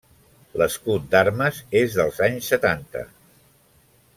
L'escut d'armes és dels anys setanta.